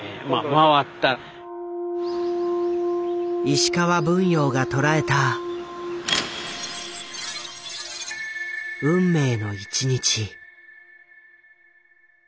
石川文洋が捉えた運命の１日。